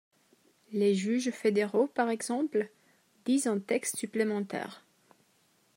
Les juges fédéraux, par exemple, disent un texte supplémentaire.